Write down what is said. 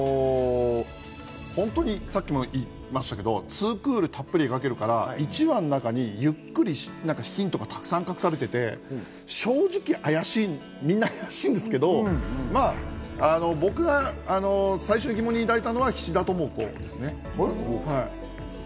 本当に、さっきも言いましたけど、２クールたっぷりかけてるから１話の中にゆっくりヒントがたくさん隠されていて、正直、みんな怪しいんですけど、僕が最初に疑問を抱いたのは菱田朋子です。